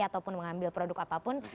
ataupun mengambil produk apapun